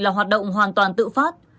là hoạt động hoàn toàn tự phát